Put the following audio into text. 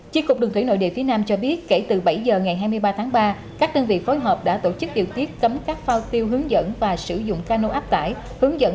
chi cục đường thủy nội địa phía nam cho biết kể từ bảy h ngày hai mươi ba tháng ba các đơn vị phối hợp đã tổ chức điều tiết cấm các phao tiêu hướng dẫn